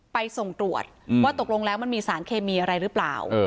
ไปส่งตรวจว่าตกลงแล้วมันมีสารเคมีอะไรหรือเปล่า